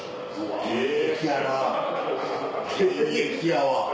現役やわ！